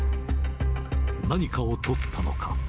何かをとったのか。